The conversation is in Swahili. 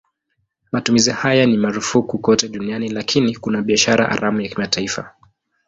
Matumizi haya ni marufuku kote duniani lakini kuna biashara haramu ya kimataifa.